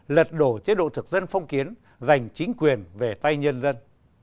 lật đổ chế độ thực dân phong kiến giành chính quyền về tay nhân dân